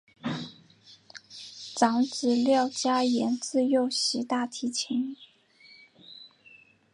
长子廖嘉言自幼习大提琴。